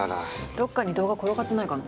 どっかに動画転がってないかな。